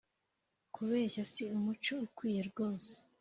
kubeshya, si umuco ukwiye rwose